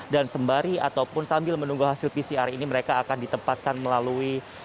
dan sembari ataupun sambil menunggu hasil pcr ini mereka akan ditempatkan melalui